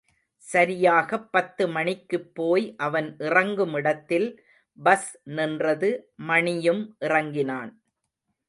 சரியாகப் பத்து மணிக்குபோய் அவன் இறங்குமிடத்தில் பஸ் நின்றது மணியும் இறங்கினான்.